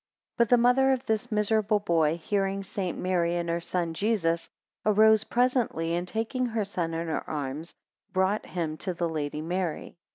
3 But the mother of this miserable boy, hearing of St. Mary and her son Jesus, arose presently and taking her son in her arms, brought him to the Lady Mary.